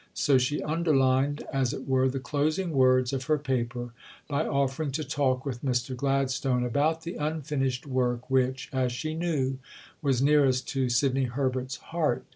So she underlined, as it were, the closing words of her Paper by offering to talk with Mr. Gladstone about the unfinished work which, as she knew, was nearest to Sidney Herbert's heart.